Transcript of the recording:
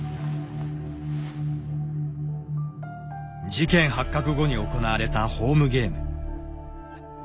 事件発覚後に行われたホームゲーム。